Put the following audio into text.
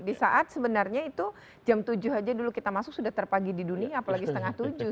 di saat sebenarnya itu jam tujuh aja dulu kita masuk sudah terpagi di dunia apalagi setengah tujuh